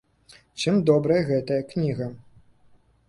Чым добрая гэтая кніга?